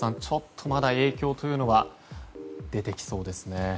ちょっとまだ影響というのは出てきそうですね。